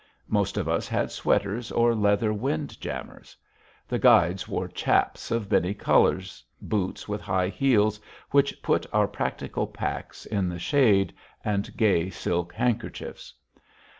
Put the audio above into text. Most of us had sweaters or leather wind jammers. The guides wore "chaps" of many colors, boots with high heels, which put our practical packs in the shade, and gay silk handkerchiefs.